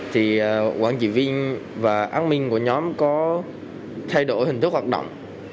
thì quản trị viên và an minh của nhóm có thay đổi hình thức hoạt động